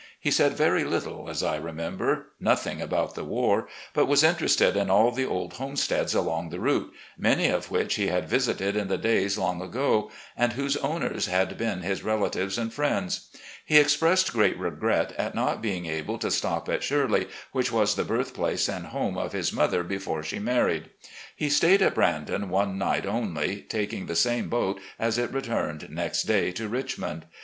He said very little, as I remember — ^nothing about the war — ^but was interested in all the old homesteads along the route, many of which he had visited in the days long ago and whose owners had been his relatives and friends. He expressed great regret at not being able to stop at "Shirley," which was the birthplace and home of his mother before she married. He stayed at "Brandon" one night only, taking the same boat as it returned next day to Richmond.